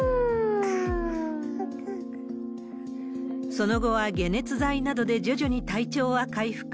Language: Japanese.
その後は解熱剤などで徐々に体調は回復。